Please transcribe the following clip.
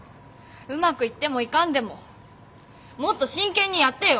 うまくいってもいかんでももっと真剣にやってよ。